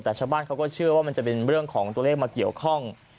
แต่ชาวบ้านเขาก็เชื่อว่ามันจะเป็นเรื่องของตัวเลขมาเกี่ยวข้อง